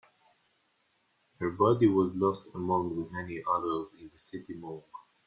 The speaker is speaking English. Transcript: Her body was lost among the many others in the city morgue.